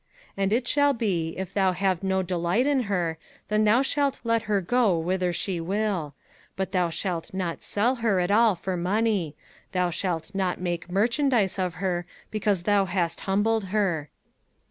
05:021:014 And it shall be, if thou have no delight in her, then thou shalt let her go whither she will; but thou shalt not sell her at all for money, thou shalt not make merchandise of her, because thou hast humbled her.